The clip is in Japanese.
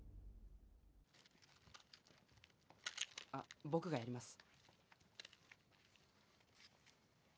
あっ僕がやります